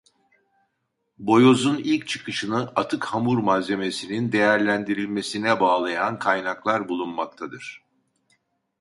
Boyozun ilk çıkışını atık hamur malzemesinin değerlendirilmesine bağlayan kaynaklar bulunmaktadır.